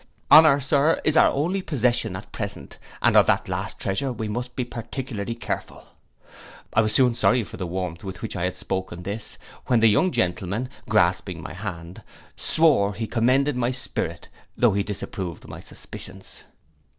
Honour, Sir, is our only possession at present, and of that last treasure we must be particularly careful.'—I was soon sorry for the warmth with which I had spoken this, when the young gentleman, grasping my hand, swore he commended my spirit, though he disapproved my suspicions.